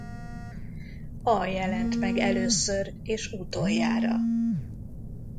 A jelent meg először és utoljára.